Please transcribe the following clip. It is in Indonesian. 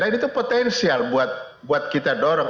nah ini tuh potensial buat kita dorong